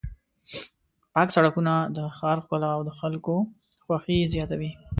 پاک سړکونه د ښار ښکلا او د خلکو خوښي زیاتوي.